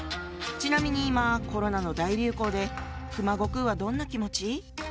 ちなみに今コロナの大流行で熊悟空はどんな気持ち？